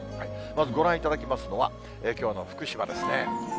まずご覧いただきますのは、きょうの福島ですね。